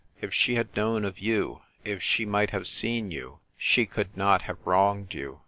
if she had known of you, if she might have seen you, she could not have wronged you.